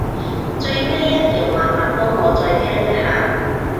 最尾一條麻煩幫我再聽一下